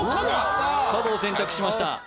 角を選択しました